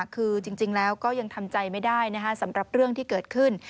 คือจริงแล้วก็ยังทำใจไม่ได้สำหรับเรื่องที่เกิดขึ้น